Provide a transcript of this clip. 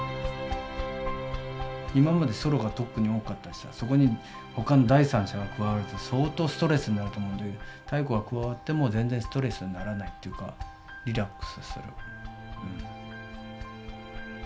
今までソロが特に多かったしそこにほかの第三者が加わるって相当ストレスになると思うんだけど妙子が加わっても全然ストレスにならないというかリラックスする。